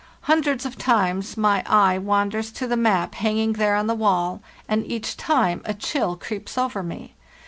"Hundreds of times my eye wanders to the map hanging there on the wall, and each time a chill creeps over me.